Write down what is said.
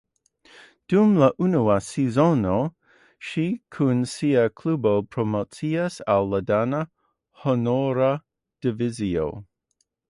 Dum la unua sezono ŝi kun sia klubo promociis al la dana honora divizio.